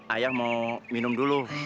ayah mau minum dulu